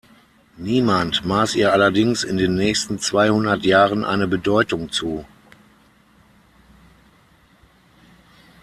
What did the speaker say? Niemand maß ihr allerdings in den nächsten zweihundert Jahren eine Bedeutung zu.